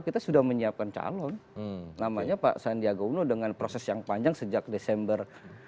kita sudah menyiapkan calon namanya pak sandiaga uno dengan proses yang panjang sejak desember dua ribu dua puluh